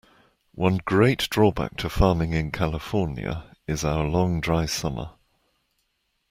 One great drawback to farming in California is our long dry summer.